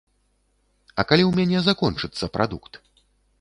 А калі ў мяне закончыцца прадукт?